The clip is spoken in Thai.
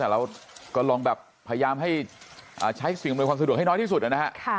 แต่เราก็ลองแบบพยายามให้ใช้สิ่งอำนวยความสะดวกให้น้อยที่สุดนะฮะ